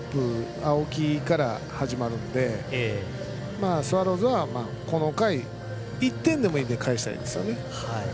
青木から始まるのでスワローズはこの回１点でもいいので返したいですね。